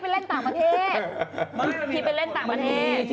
ไม่ใช่ที่ไปเล่นต่างประเทศ